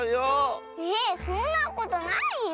えっそんなことないよ。